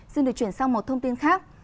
xin được chuyển sang một thông tin khác